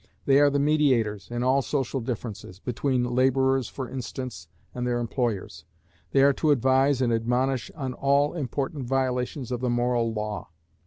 They are the mediators in all social differences; between the labourers, for instance, and their employers. They are to advise and admonish on all important violations of the moral law.